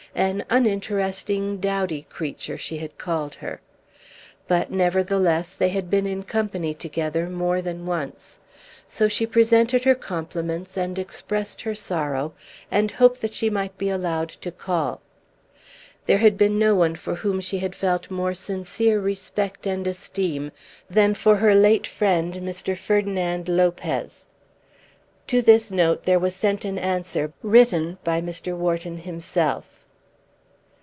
An uninteresting, dowdy creature she had called her. But, nevertheless, they had been in company together more than once. So she presented her compliments, and expressed her sorrow, and hoped that she might be allowed to call. There had been no one for whom she had felt more sincere respect and esteem than for her late friend Mr. Ferdinand Lopez. To this note there was sent an answer written by Mr. Wharton himself.